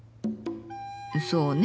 そうね